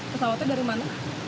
pesawatnya dari mana